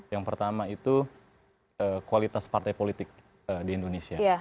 yang pertama itu kualitas partai politik di indonesia